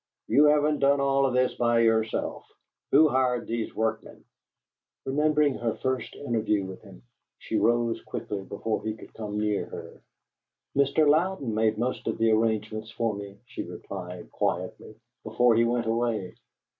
You haven't done all this by yourself. Who hired these workmen?" Remembering her first interview with him, she rose quickly before he could come near her. "Mr. Louden made most of the arrangements for me," she replied, quietly, "before he went away.